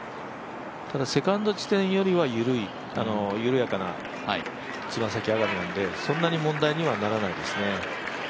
ただ、セカンド地点よりは緩やかな爪先上がりなんでそんなに問題にはならないですね。